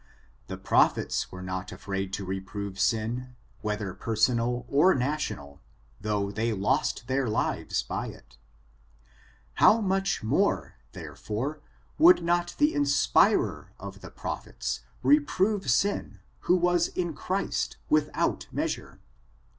The prophets were not afraid to reprove sin, whether personal or national, though they lost their lives by it. How much more, there fore, would not the inspirer of the prophets reprove sin, who was in Christ, without measure?